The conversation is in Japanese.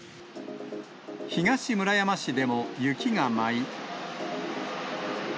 東村山市でも雪が舞い。